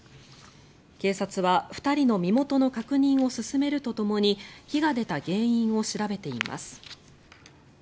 警察は、２人の身元の確認を進めるとともに火が出た原因を調べています。